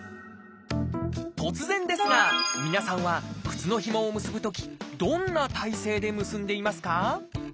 突然ですが皆さんは靴のひもを結ぶときどんな体勢で結んでいますか？